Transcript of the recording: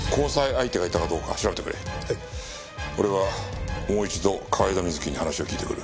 俺はもう一度河井田瑞希に話を聞いてくる。